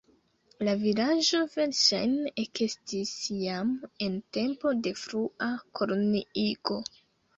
La vilaĝo verŝajne ekestis jam en tempo de frua koloniigo.